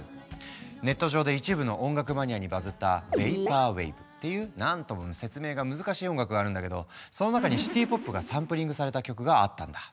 ネット上で一部の音楽マニアにバズったっていう何とも説明が難しい音楽があるんだけどその中にシティ・ポップがサンプリングされた曲があったんだ。